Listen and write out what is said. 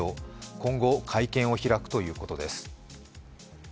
今後、会見を開くということです。